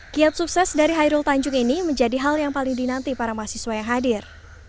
kiat sukses dari hairul tanjung ini menjadi hal yang paling dinanti para mahasiswa yang hadir